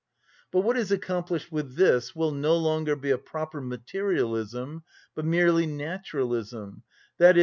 But what is accomplished with this will no longer be a proper materialism, but merely naturalism, _i.e.